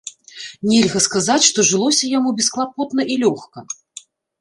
Нельга сказаць, што жылося яму бесклапотна і лёгка.